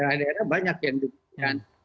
ada banyak yang dipercayai